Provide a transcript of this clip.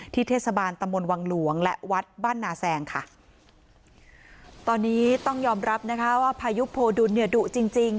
เทศบาลตำบลวังหลวงและวัดบ้านนาแซงค่ะตอนนี้ต้องยอมรับนะคะว่าพายุโพดุลเนี่ยดุจริงจริง